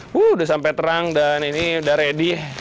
sudah sampai terang dan ini sudah ready